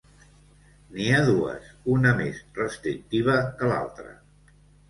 N'hi ha dues una més restrictiva que l'altra.